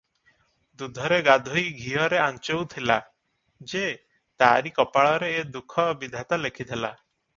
ଦୁଧରେ ଗୋଧୋଇ ଘିଅରେ ଆଞ୍ଚୋଉ ଥିଲା ଯେ, ତାରି କପାଳରେ ଏ ଦୁଃଖ ବିଧାତା ଲେଖିଥିଲା!